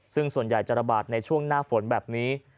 ซึ่งส่วนใหญ่จะระบาดในช่วงหน้าฝนแบบนี้